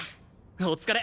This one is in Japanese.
お疲れ！